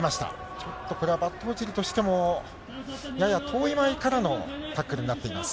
ちょっとこれはバットオチルとしても、やや遠い前からのタックルになっています。